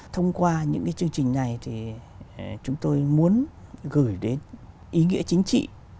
thông qua những chương trình này thì chúng tôi muốn gửi đến ý nghĩa chính trị